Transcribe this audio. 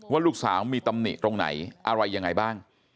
ว่าลูกสาวมีตำหนิตรงไหนอะไรยังไงบ้าง